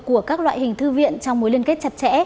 của các loại hình thư viện trong mối liên kết chặt chẽ